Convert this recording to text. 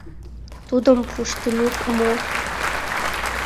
Тудым пуштыныт мо?